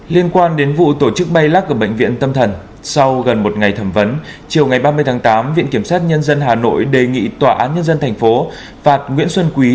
liên quan đến vụ tổ chức bay lắc ở bệnh viện tâm thần sau gần một ngày thẩm vấn chiều ngày ba mươi tháng tám viện kiểm sát nhân dân hà nội đề nghị tòa án nhân dân thành phố phạt nguyễn xuân quý